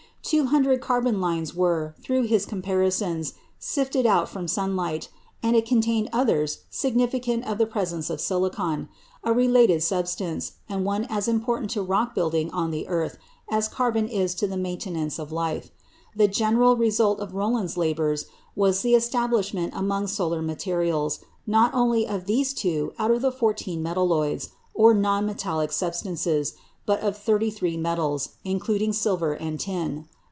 Two hundred carbon lines were, through his comparisons, sifted out from sunlight, and it contains others significant of the presence of silicon a related substance, and one as important to rock building on the earth, as carbon is to the maintenance of life. The general result of Rowland's labours was the establishment among solar materials, not only of these two out of the fourteen metalloids, or non metallic substances, but of thirty three metals, including silver and tin.